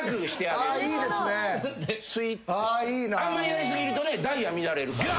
あんまやり過ぎるとねダイヤ乱れるから。